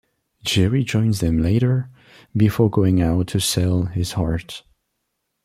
Jerry joins them later, before going out to sell his art.